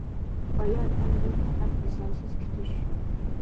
ئايان ھەم بۇ پەقەت ۋىسالسىز كۈتۈش.